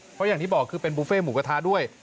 เพราะอย่างที่บอกคือเป็นบุฟเฟ่หมูกระทะด้วย